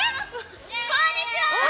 こんにちは！